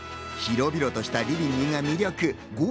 広々としたリビングが魅力。